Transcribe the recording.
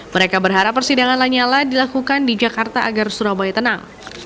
mereka berharap persidangan lanyala dilakukan di jakarta agar surabaya tenang